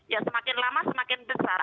ya semakin lama semakin besar